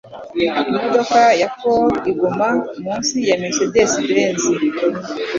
Imodoka ya Ford igura munsi ya Mercedes Benz.